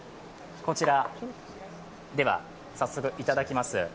では、早速いただきます。